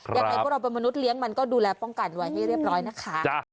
ยังไงพวกเราเป็นมนุษย์เลี้ยงมันก็ดูแลป้องกันไว้ให้เรียบร้อยนะคะ